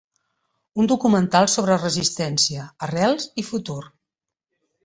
Un documental sobre resistència, arrels i futur.